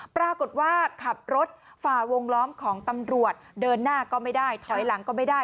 ปรากฏว่าขับรถฝ่าวงล้อมของตำรวจเดินหน้าก็ไม่ได้ถอยหลังก็ไม่ได้